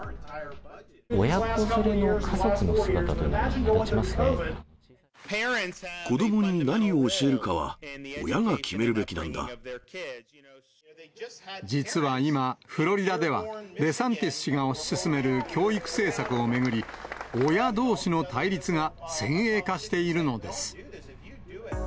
親子連れの家族の姿というの子どもに何を教えるかは、実は今、フロリダでは、デサンティス氏が推し進める教育政策を巡り、親どうしの対立が先鋭化しているのです。